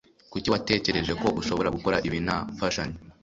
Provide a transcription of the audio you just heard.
Kuki watekereje ko ushobora gukora ibi nta mfashanyo?